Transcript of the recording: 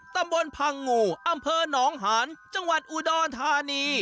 ตำบลพังงูอำเภอหนองหานจังหวัดอุดรธานี